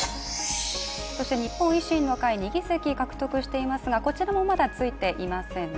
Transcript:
日本維新の会、２議席獲得していますがこちらもまだついていません。